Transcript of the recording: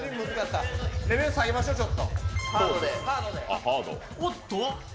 レベル下げましょう、ちょっと。